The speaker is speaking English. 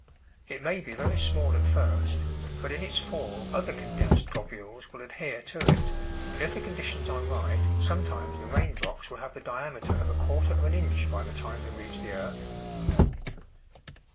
It may be very small at first, but in its fall other condensed globules will adhere to it and if the conditions are right, sometimes the rain drops will have the diameter of a quarter of an inch by the time they reach the earth.